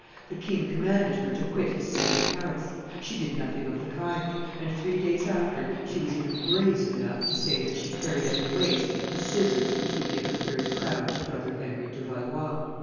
"The king commanded her to quit his city of Paris; she did nothing of the kind; and three days after she was even brazen enough to say that she carried at her waist the scissors which would give a third crown to brother Henry de Valois."